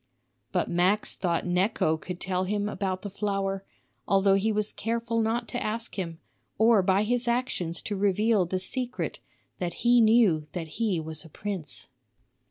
But Max thought Necho could tell him about the flower, although he was careful not to ask him, or by his actions to reveal the secret that he knew that he was a prince.